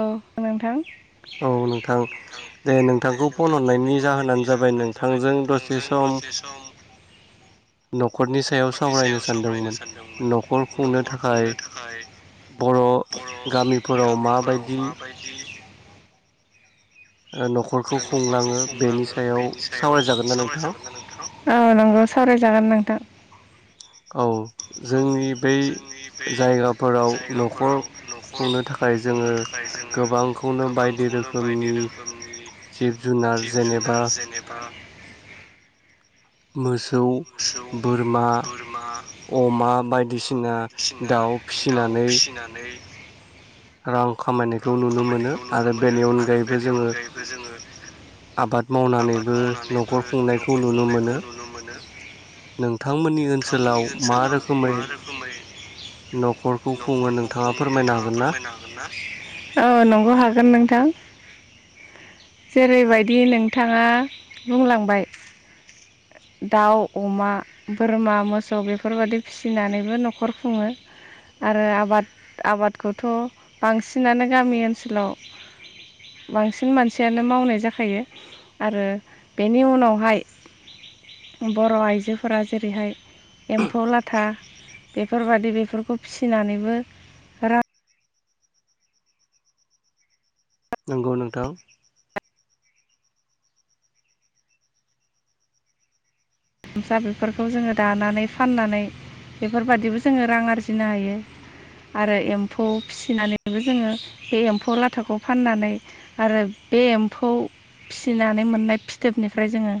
औ नोंथां औ नोंथां दे नोंथांखौ फन हरनायनि जाहोनानो जाबाय नोंथांजों दसे सम दसे सम न'खरनि सायाव सावरायनो सानदोंमोन न'खर खुंनो थाखाय बर' गामिफोराव फोराव माबायदि माबायदि न'खरखौ न'खरखौ खुंलाङो बेनि खुंलाङो सायाव बेनि सायाव सावरायजागोन ना नोंथां सावरायजागोन ना नोंथां? सावरायजागोन नोंथां। औ जोंनि बै जायगा फोराव न'खर खुंनो थाखाय जोङो गोबांखौनो बायदि रोखोमनि जिब जुनार जेनेबा मोसौ मोसौ बोरमा बोरमा अमा अमा बायदिसिना बायदिसिना दाउ दाउ फिसिनानै फिसिनानै रां खामायनायखौ नुनो मोनो आरो बेनि अनगायैबो जोङो आबाद मावनानैबो न'खर खुंनायखौ नुनो मोनो नों थांमोननि ओनसोलाव मा रोखोमै न'खरखौ खुङो न'खरखौ नोंथाङा खुङो फोरमायनो नोंथाङा हागोन ना फोरमायनो हागोन ना? औ नंगौ हागोन नोंथां जेरैबायदि नोंथाङा बुंलांबाय दाउ अमा बोरमा मोसौ बेफोरबादि फिसिनानैबो न'खर खुङो। आरो आबाद आबादखौथ' बांसिनानो गामि ओनसोलाव बांसिन मानसियानो मावनाय जाखायो। आरो बेनि उनावहाय बर' आइजोफोरा जेरैहाय एम्फौ लाथा बेफोरबायदि बेफोरखौ फिसिनानैबो रां नंगौ नोंथां गामसा बेफोरखौ जोङो दानानै फाननानै बेफोरबादिबो जोङो रां आरजिनो हायो। आरो एम्फौ फिसिनानैबो जोङो बे एम्फौ लाथाखौ फाननानै आरो बे एम्फौ फिसिनानै मोननाय फिथोबनिफ्राय जोङो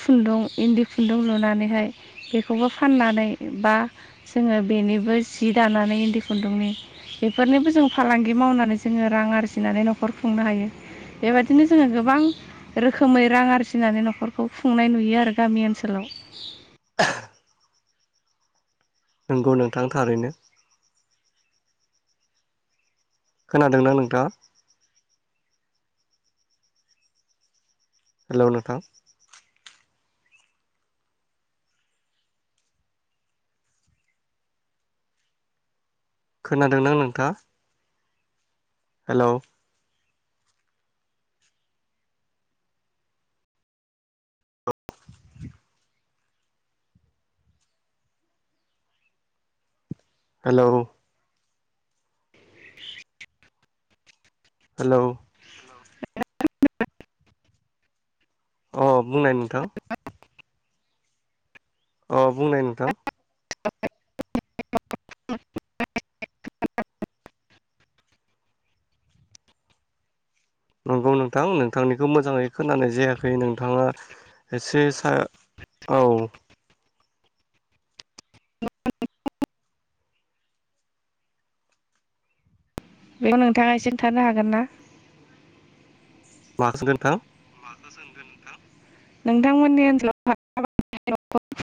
खुन्दुं इन्दि खुन्दुं लुनानैहाय बेखौबो फाननानै बा जोङो बेनिबो जि दानानै इन्दि खुन्दुंनि बेफोरनिबो जों फालांगि मावनानै जोङो रां आरजिनानै न'खर खुंनो हायो। बेबायदिनो जोङो गोबां रोखोमै रां आरजिनानै न'खरखौ खुंनाय नुयो आरो। गामि ओनसोलाव नंगौ नोंथां थारैनो खोनादों ना नोंथाङा? हेल' नोंथां खोनादों ना नोंथा हेलौ हेलौ हेलौ अ बुंनाय नोंथां अ बुंनाय नोंथां [unintelligible] नंगौ नोंथां नोंथांनिखौ मोजांङै खोनानाय जायाखै नोंथांङा एसे स औ [unintelligible] बेखौ नोंथांङा एसे थानो हागोन ना? माखौ [unintelligible] नोंथां नोंथांमोननि ओनसोलाव [unintelligible]